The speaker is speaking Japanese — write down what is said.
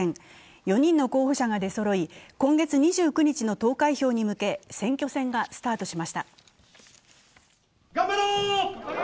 ４人の候補者が出そろい、今月２９日の投開票に向け、選挙戦がスタートしました。